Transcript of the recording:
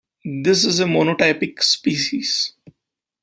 This is a monotypic species.